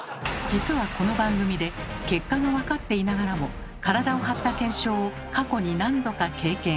実はこの番組で結果が分かっていながらも体を張った検証を過去に何度か経験。